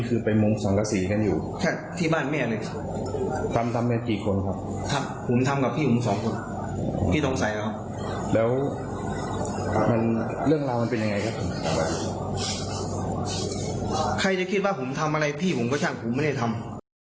ใครจะคิดว่าผมทำอะไรพี่ผมก็ช่างผมไม่ได้ทำ